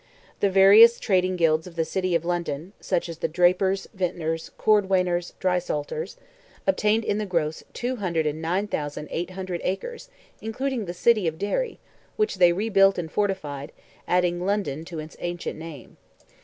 The various trading guilds of the city of London—such as the drapers, vintners, cordwainers, drysalters—obtained in the gross 209,800 acres, including the city of Derry, which they rebuilt and fortified, adding London to its ancient name.